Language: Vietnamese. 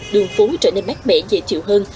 đường phố trở nên mát mẻ dễ chịu hơn